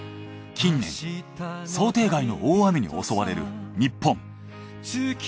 近年想定外の大雨に襲われる日本。